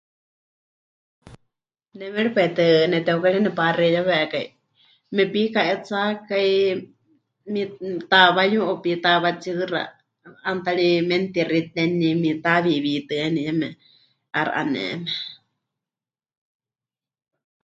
Ne méripai tɨ neteukari nepaxeiyawekai mepika'etsakai, mi... tawayu o pitawatsiɨxa, 'aana ta ri menutixiteni, mitawiwitɨani yeme, 'aixɨ 'aneme.